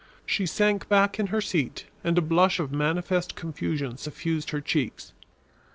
She sank back in her seat and a blush of manifest confusion suffused her cheeks.